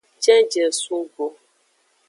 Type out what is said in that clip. Cenjie sun go.